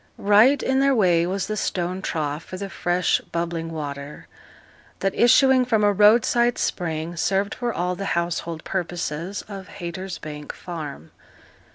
Right in their way was the stone trough for the fresh bubbling water, that, issuing from a roadside spring, served for all the household purposes of Haytersbank Farm.